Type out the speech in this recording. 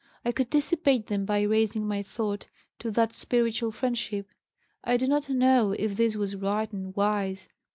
I could dissipate them by raising my thought to that spiritual friendship. I do not know if this was right and wise.